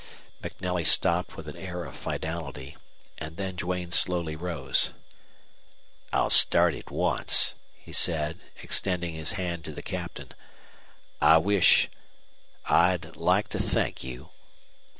MacNelly stopped with an air of finality, and then Duane slowly rose. "I'll start at once," he said, extending his hand to the Captain. "I wish I'd like to thank you."